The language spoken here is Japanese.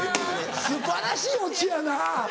素晴らしいオチやな。